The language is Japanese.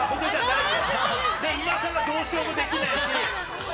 いまさらどうしようもできないし。